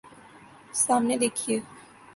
سامنے دیکھئے